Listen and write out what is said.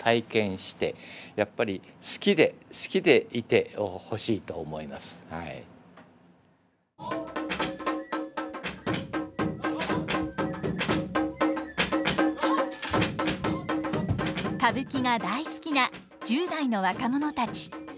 こういう歌舞伎が大好きな１０代の若者たち。